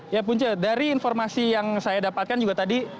ya punca dari informasi yang saya dapatkan juga tadi